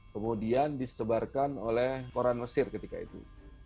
kemudian disebarkan oleh koran mesir ketika itu